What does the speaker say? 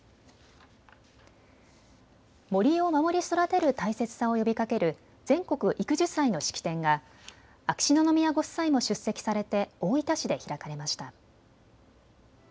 森を守り育てる大切さを呼びかける全国育樹祭の式典が秋篠宮ご夫妻も出席されて大分市で開かれました。